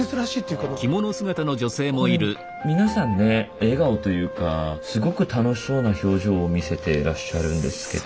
これ皆さんね笑顔というかすごく楽しそうな表情を見せていらっしゃるんですけど。